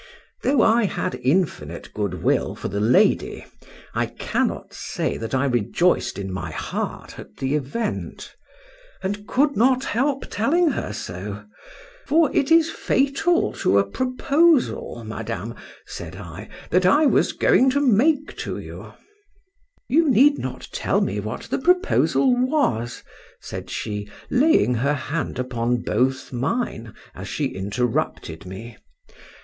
Though I had infinite good will for the lady, I cannot say that I rejoiced in my heart at the event—and could not help telling her so;—for it is fatal to a proposal, Madame, said I, that I was going to make to you— —You need not tell me what the proposal was, said she, laying her hand upon both mine, as she interrupted me.